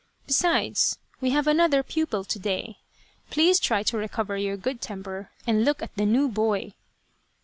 Besides, we have another pupil to day. Please try to recover your good temper and look at the new boy."